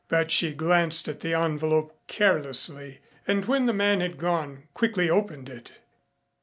But she glanced at the envelope carelessly, and when the man had gone, quickly opened it.